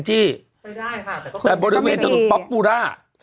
ก็ไปได้ค่ะแต่ก็ไม่ดีบแต่บริเวณถนนป๊อปปูลาร์